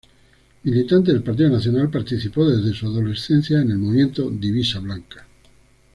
Militante del Partido Nacional, participó desde su adolescencia en el movimiento Divisa Blanca.